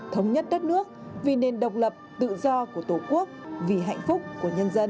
thống nhất đất nước vì nền độc lập tự do của tổ quốc vì hạnh phúc của nhân dân